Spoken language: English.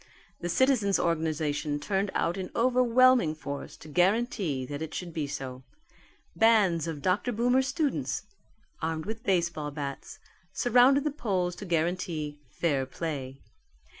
The citizens' organization turned out in overwhelming force to guarantee that it should be so. Bands of Dr. Boomer's students, armed with baseball bats, surrounded the polls to guarantee fair play.